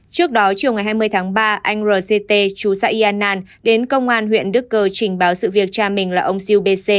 trước đó chiều ngày hai mươi tháng ba anh rct chú xã yannan đến công an huyện đức cơ trình báo sự việc cha mình là ông siêu bê xê